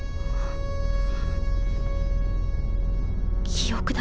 記憶だ